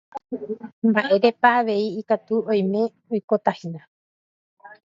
mba'érepa avei ikatu oime oikotahína